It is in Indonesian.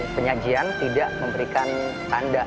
penyajian tidak memberikan tanda